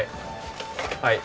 はい。